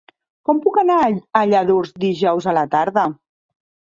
Com puc anar a Lladurs dijous a la tarda?